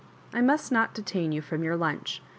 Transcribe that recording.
"I must not detain you from your lunch.